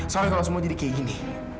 soalnya kalau semua jadi kayak gini